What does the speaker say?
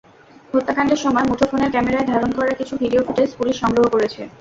হত্যাকাণ্ডের সময় মুঠোফোনের ক্যামেরায় ধারণ করা কিছু ভিডিও ফুটেজ পুলিশ সংগ্রহ করেছে।